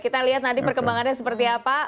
kita lihat nanti perkembangannya seperti apa